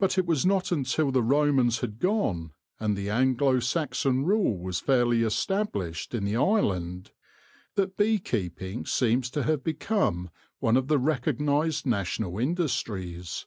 But it was not until the Romans had gone, and the Anglo Saxon rule was fairly established in the Island, that bee keeping seems to have become one of the recognised national industries.